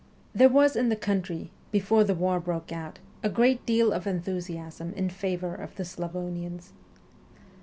There was in the country, before the war broke out, a great deal of enthusiasm in favour of the Slavonians.